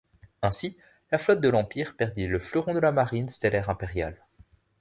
Ainsi, la flotte de l'Empire perdit le fleuron de la marine stellaire impériale.